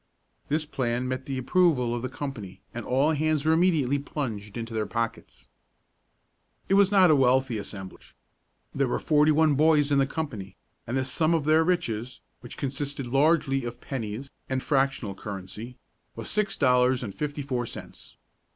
This plan met the approval of the company, and all hands were immediately plunged into their owners' pockets. It was not a wealthy assemblage. There were forty one boys in the company, and the sum of their riches, which consisted largely of pennies and fractional currency, was six dollars and fifty four cents.